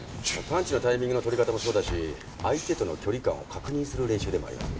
パンチのタイミングの取り方もそうだし相手との距離感を確認する練習でもあります。